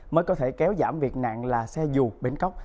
mới có thể kéo giảm việc nạn là xe dù bến cóc